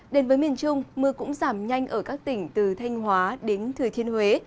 đến với miền trung mưa cũng giảm nhanh ở các tỉnh từ thanh hóa đến thừa thiên huế